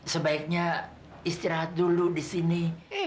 sebaiknya istirahat dulu di sini